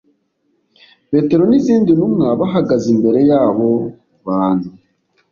Petero n’izindi ntumwa bahagaze imbere y’abo bantu